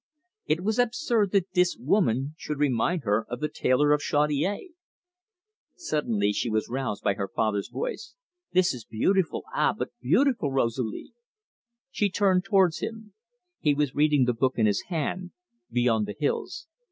It was absurd that this woman should remind her of the tailor of Chaudiere. Suddenly she was roused by her father's voice. "This is beautiful ah, but beautiful, Rosalie!" She turned towards him. He was reading the book in his hand 'Beyond the Hills'.